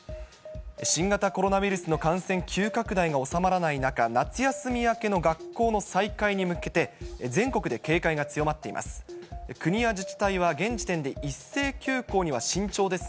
新型コロナウイルスの感染急拡大が収まらない中、夏休み明けの学校の再開に向けて、全国で警戒が強まっています。